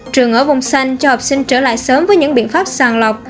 trường ở vùng xanh cho học sinh trở lại sớm với những biện pháp sàng lọc